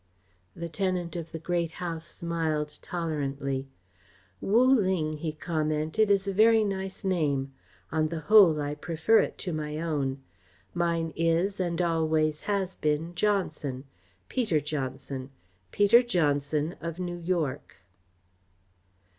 The tenant of the Great House smiled tolerantly. "Wu Ling," he commented, "is a very nice name. On the whole I prefer it to my own. Mine is and always has been Johnson Peter Johnson Peter Johnson of New York."